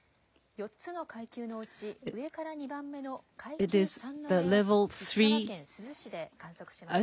４つの階級のうち、上から２番目の階級３の揺れを、石川県珠洲市で観測しました。